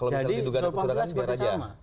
jadi dua ribu delapan belas seperti sama